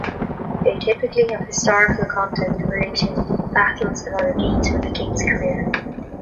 They typically have historical content, relating battles and other deeds from the king's career.